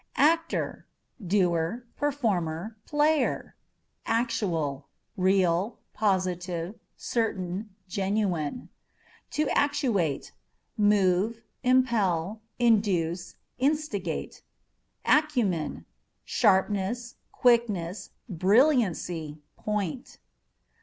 Actor â€" doer, performer, player. Actual â€" real, positive, certain, genuine. To Actuate â€" move, impel, induce, instigate. Acumen â€" sharpness, quickness, brilliancy, point.